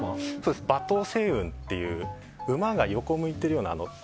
馬頭星雲っていう馬が横向いているような。